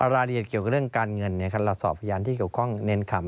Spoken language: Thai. รายละเอียดเกี่ยวกับเรื่องการเงินเราสอบพยานที่เกี่ยวข้องเน้นคำ